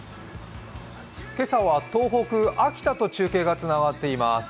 今朝は東北秋田と中継がつながっています。